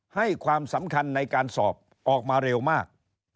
ให้ความสำคัญในการสอบออกมาเร็วมาก